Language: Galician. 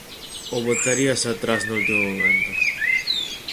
Ou botaríase atrás no último momento?